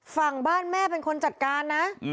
ฝั่งบ้านแม่เป็นคนจัดการนะ